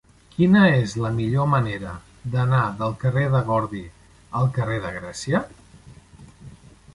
Quina és la millor manera d'anar del carrer de Gordi al carrer de Grècia?